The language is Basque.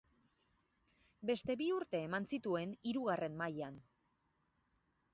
Beste bi urte eman zituen Hirugarren Mailan.